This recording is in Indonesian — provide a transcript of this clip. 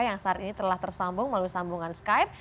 yang saat ini telah tersambung melalui sambungan skype